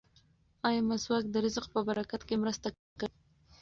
ایا مسواک د رزق په برکت کې مرسته کوي؟